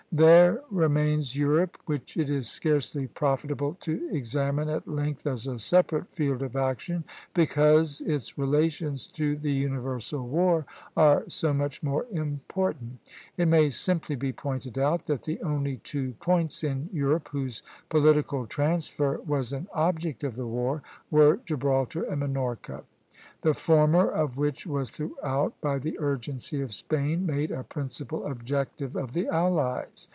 There remains Europe, which it is scarcely profitable to examine at length as a separate field of action, because its relations to the universal war are so much more important. It may simply be pointed out that the only two points in Europe whose political transfer was an object of the war were Gibraltar and Minorca; the former of which was throughout, by the urgency of Spain, made a principal objective of the allies.